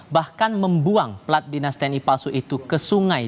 bahkan membuang pelat dinas tni palsu itu ke sungai